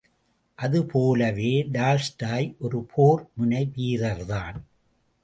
அது போலவே டால்ஸ்டாய் ஒரு போர் முனைவீரர்தான்.